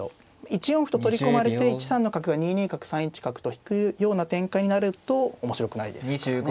１四歩と取り込まれて１三の角が２二角３一角と引くような展開になると面白くないですからね。